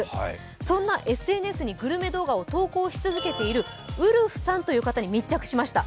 そんなＳＮＳに投稿し続けているウルフさんという方に密着しました。